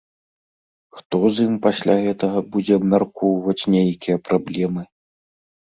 Хто з ім пасля гэтага будзе абмяркоўваць нейкія праблемы?